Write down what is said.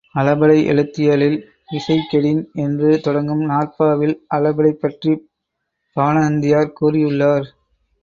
அளபெடை எழுத்தியலில் இசை கெடின் என்று தொடங்கும் நூற்பாவில் அளபெடை பற்றிப் பவணந்தியார் கூறியுள்ளார்.